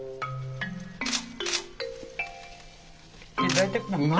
大体。